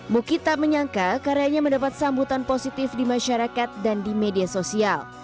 muki tak menyangka karyanya mendapat sambutan positif di masyarakat dan di media sosial